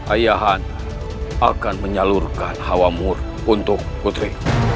ayahan akan menyalurkan hawamur untuk putri